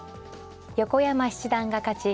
横山七段が勝ち